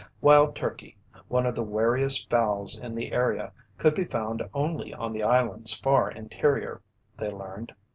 Wild turkey, one of the wariest fowls in the area, could be found only on the islands far interior, they learned.